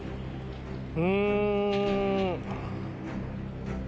うん。